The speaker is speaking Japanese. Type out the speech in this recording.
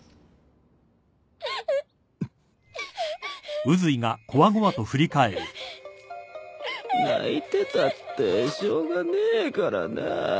アアア。泣いてたってしょうがねえからなぁ。